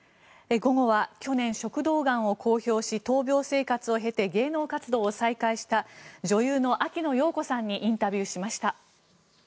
午後は去年、食道がんを公表し闘病生活を経て芸能活動を再開した女優の秋野暢子さんにインタビューしました。